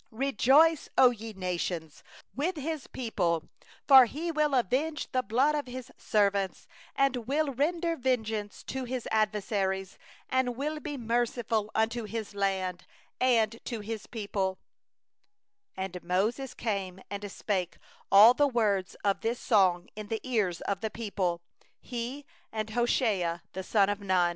43Sing aloud, O ye nations, of His people; For He doth avenge the blood of His servants, And doth render vengeance to His adversaries, And doth make expiation for the land of His people. 44And Moses came and spoke all the words of this song in the ears of the people, he, and Hoshea the son of Nun.